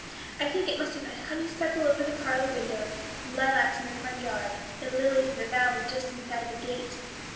I think it must have had honeysuckle over the parlor window and lilacs in the front yard and lilies of the valley just inside the gate.